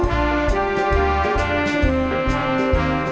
โปรดติดตามต่อไป